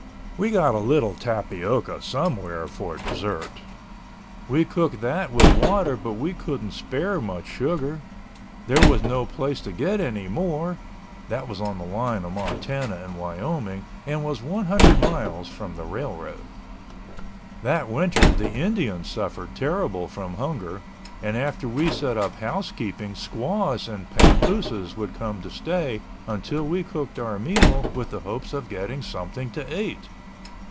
We got a little tapioca somewhere for dessert. We cooked that with water but we couldn't spare much sugar—there was no place to get any more (that was on the line of Montana and Wyoming and was 100 miles from the railroad). That winter the Indians suffered terrible from hunger and after we set up housekeeping squaws and papooses would come to stay until we cooked our meal with the hopes of getting something to eat.